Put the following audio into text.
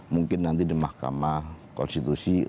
mungkin nanti di mahkamah konstitusi